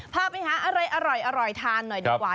พาไปหาอะไรอร่อยทานหน่อยดีกว่า